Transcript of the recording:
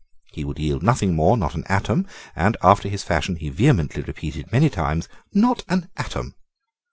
He would yield nothing more, not an atom, and, after his fashion, he vehemently repeated many times, "Not an atom."